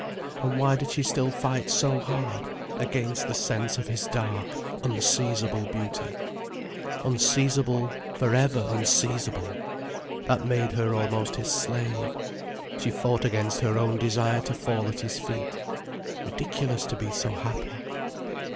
And why did she still fight so hard against the sense of his dark, unseizable beauty? Unseizable, for ever unseizable! That made her almost his slave. She fought against her own desire to fall at his feet. Ridiculous to be so happy.